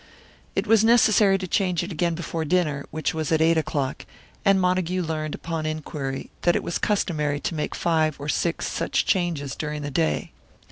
It was necessary to change it again before dinner, which was at eight o'clock; and Montague learned upon inquiry that it was customary to make five or six such changes during the day.